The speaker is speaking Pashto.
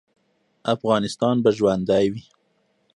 افغانستان به ژوندی وي